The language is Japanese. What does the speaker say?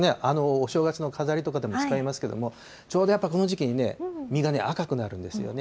お正月の飾りとかでも使いますけれども、ちょうどやっぱこの時期にね、実が赤くなるんですよね。